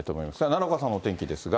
奈良岡さんのお天気ですが。